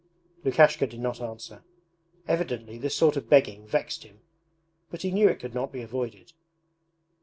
Lukashka did not answer. Evidently this sort of begging vexed him but he knew it could not be avoided.